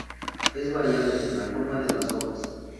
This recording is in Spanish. Es variable en la forma de las hojas.